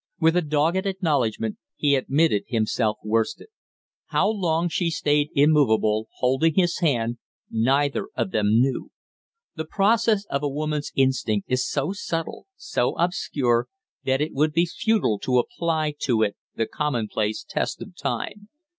With a dogged acknowledgment, he admitted himself worsted. How long she stayed immovable, holding his hand, neither of them knew. The process of a woman's instinct is so subtle, so obscure, that it would be futile to apply to it the commonplace test of time.